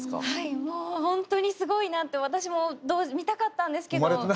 はいもうほんとにすごいなと私も見たかったんですけど。